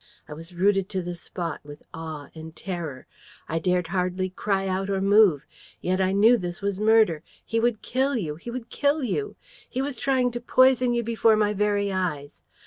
I was rooted to the spot with awe and terror. I dared hardly cry out or move. Yet I knew this was murder. He would kill you! He would kill you! He was trying to poison you before my very eyes.